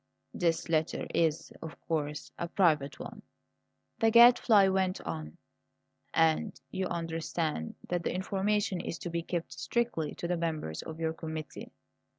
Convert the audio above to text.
"This letter is, of course, a private one," the Gadfly went on; "and you understand that the information is to be kept strictly to the members of your committee."